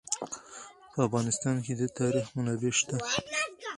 په افغانستان کې د تاریخ منابع شته.